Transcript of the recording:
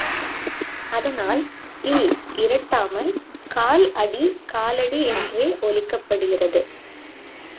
அதனால் ல் இரட்டாமல் கால் அடி காலடி என்றே ஒலிக்கப் படுகிறது.